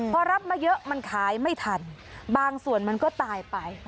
พอรับมาเยอะมันขายไม่ทันบางส่วนมันก็ตายไป